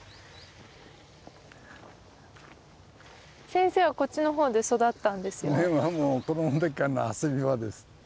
先生はこっちのほうで育ったんですよね。